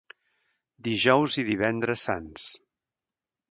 Dijous i divendres sants.